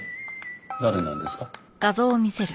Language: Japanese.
誰なんですか？